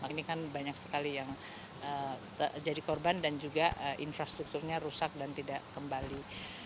ini kan banyak sekali yang jadi korban dan juga infrastrukturnya rusak dan tidak kembali